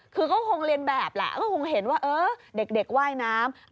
คือก็คงเรียนแบบแหละก็คงเห็นว่าเออเด็กว่ายน้ำ